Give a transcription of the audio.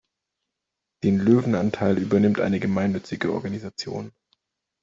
Den Löwenanteil übernimmt eine gemeinnützige Organisation.